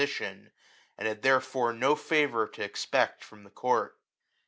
sition, and had therefore no favour to expect from the court.